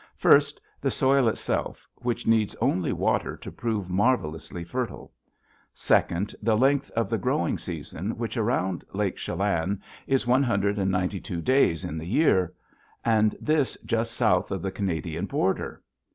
First, the soil itself, which needs only water to prove marvelously fertile; second, the length of the growing season, which around Lake Chelan is one hundred and ninety two days in the year. And this just south of the Canadian border!